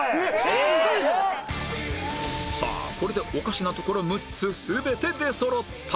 さあこれでおかしなところ６つ全て出そろった